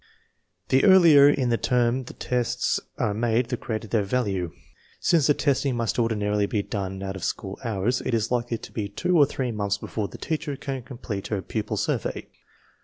The earlier in the term the tests are made the greater their value. Since the testing must ordinarily be done out of school hours, it is likely to be two or three months before the teacher can complete her " pupil survey."